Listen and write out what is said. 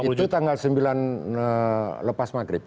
itu tanggal sembilan lepas maghrib